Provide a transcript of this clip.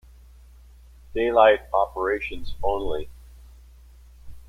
Daylight operations only.